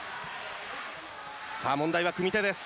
さあ問題は組み手です。